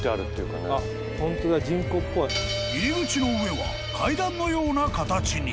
［入り口の上は階段のような形に］